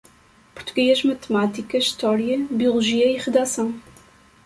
Português, matemática, história, biologia e redação